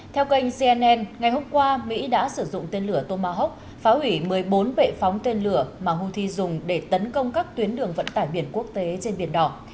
theo kênh cnn ngày hôm qua mỹ đã sử dụng tên lửa tomahawk phá hủy một mươi bốn bệ phóng tên lửa mà houthi dùng để tấn công các tuyến đường vận tải biển quốc tế trên biển đỏ